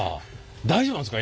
大丈夫なんですか？